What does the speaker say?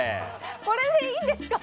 これで、いいんですか？